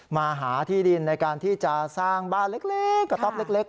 มาหาที่ดินในการที่จะสร้างบ้านเล็กกระต๊อปเล็ก